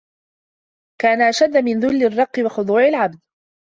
كَانَ أَشَدَّ مِنْ ذُلِّ الرِّقِّ وَخُضُوعِ الْعَبْدِ